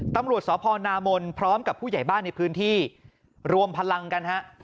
ตำรวจสพนามนพร้อมกับผู้ใหญ่บ้านในพื้นที่รวมพลังกันฮะ